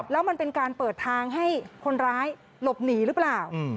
แล้วมันเป็นการเปิดทางให้คนร้ายหลบหนีหรือเปล่า